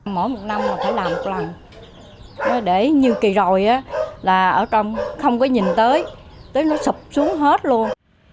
mỗi một năm là phải làm một lần để như kỳ rồi là ở trong không có nhìn tới nó sụp xuống hết luôn